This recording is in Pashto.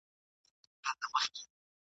په پردي کور کي ژوند په ضرور دی ..